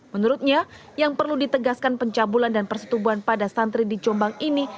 menurutnya yang perlu ditegaskan pencabulan dan persetubuhan pada santri di jombang ini